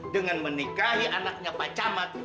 dengan menikahi anaknya pak camat